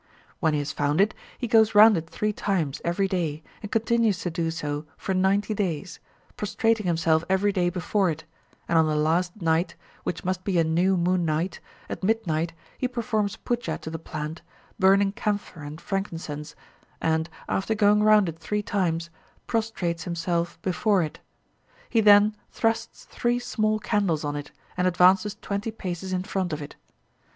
When he has found it, he goes round it three times every day, and continues to do so for ninety days, prostrating himself every day before it, and on the last night, which must be a new moon night, at midnight, he performs puja to the plant, burning camphor and frankincense, and, after going round it three times, prostrates himself before it. He then thrusts three small candles on it, and advances twenty paces in front of it.